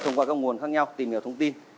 thông qua các nguồn khác nhau tìm hiểu thông tin